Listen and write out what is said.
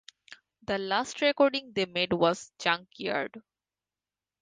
The last recording they made was "Junkyard".